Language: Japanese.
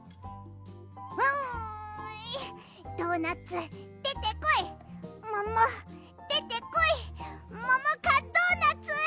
うんドーナツでてこいももでてこいももかドーナツ！